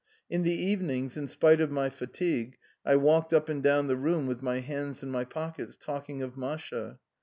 In the evenings, in spite of being tired, I used to pace up and down the room with my hands in my pockets, talking about Masha.